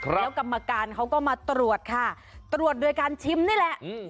แล้วกรรมการเขาก็มาตรวจค่ะตรวจโดยการชิมนี่แหละอืม